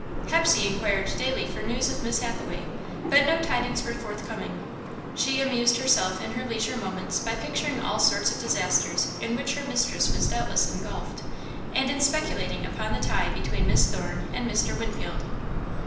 Hepsey inquired daily for news of Miss Hathaway, but no tidings were forthcoming. She amused herself in her leisure moments by picturing all sorts of disasters in which her mistress was doubtless engulfed, and in speculating upon the tie between Miss Thorne and Mr. Winfield.